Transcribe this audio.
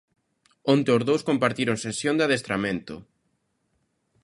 Onte os dous compartiron sesión de adestramento.